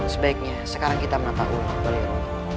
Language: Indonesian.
sebaiknya sekarang kita menapak urut balik